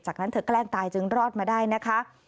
จากนั้นเธอแกล้งตายจึงรอดมาได้นะคะ